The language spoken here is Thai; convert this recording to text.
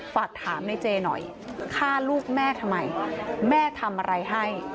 ฝากถามในเจหน่อยฆ่าลูกแม่ทำไมแม่ทำอะไรให้